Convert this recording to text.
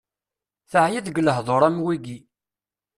Teɛya deg lehdur am wigi.